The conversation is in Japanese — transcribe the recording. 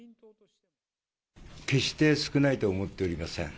決して少ないと思っておりません。